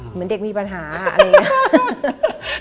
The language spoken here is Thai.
เหมือนเด็กมีปัญหาอะไรอย่างนี้